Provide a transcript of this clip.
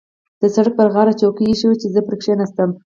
د سړک پر غاړه چوکۍ اېښې وې چې زه پرې کېناستم.